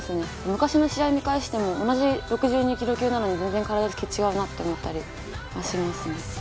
昔の試合見返しても、同じ６２キロ級なのに全然体つき違うなって思ったりしますね。